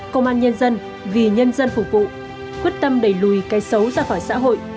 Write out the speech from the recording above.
công an nhân dân vì nhân dân phục vụ quyết tâm đẩy lùi cái xấu ra khỏi xã hội